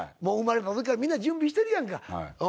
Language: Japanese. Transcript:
生まれたときからみんな準備してるやんか。